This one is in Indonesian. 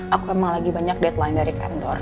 aku emang lagi banyak deadline dari kantor